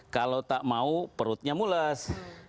kalau tak mau perutnya mules